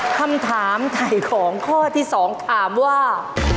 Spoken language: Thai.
คำถามไถ่ของข้อที่๒ถามว่า